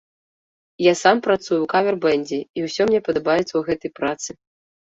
Я сам працую ў кавер-бэндзе, і ўсё мне падабаецца ў гэтай працы.